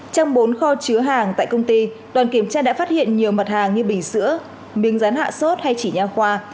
trong bốn kho chứa hàng tại công ty đoàn kiểm tra đã phát hiện nhiều mặt hàng như bình sữa miếng rắn hạ sốt hay chỉ nha khoa